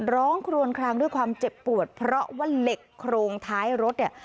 ครวนคลางด้วยความเจ็บปวดเพราะว่าเหล็กโครงท้ายรถเนี่ย